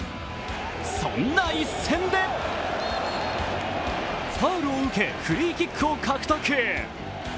そんな一戦で、ファウルを受け、フリーキックを獲得。